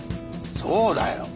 そうだよ。